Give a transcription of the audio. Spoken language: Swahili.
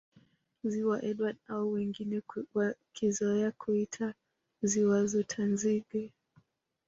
Ziwa Edward au wengi wakizoea kuita Ziwa Rutanzige